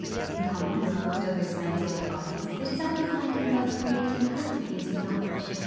In common with most other scientific bodies, it is occupied in both creating and diffusing knowledge.